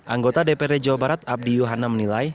anggota dprd jawa barat abdi yohana menilai